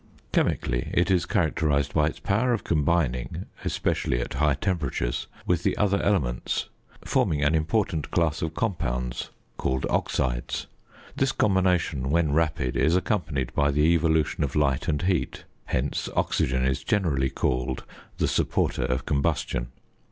Chemically, it is characterised by its power of combining, especially at high temperatures, with the other elements, forming an important class of compounds called oxides. This combination, when rapid, is accompanied by the evolution of light and heat; hence oxygen is generally called the supporter of combustion.